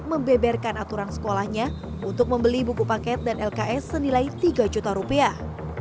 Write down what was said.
membeberkan aturan sekolahnya untuk membeli buku paket dan lks senilai tiga juta rupiah